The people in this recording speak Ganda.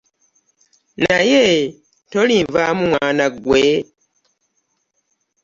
Naye tolinvaamu mwana ggwe?